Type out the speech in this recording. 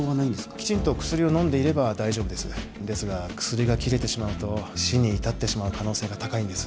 きちんと薬を飲んでいれば大丈夫ですですが薬が切れてしまうと死に至ってしまう可能性が高いんです